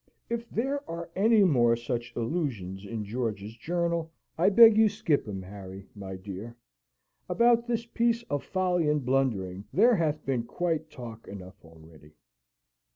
If there are any more such allusions in George's journal, I beg you skip 'em, Harry, my dear. About this piece of folly and blundering, there hath been quite talk enough already."